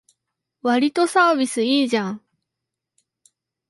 わりとサービスいいじゃん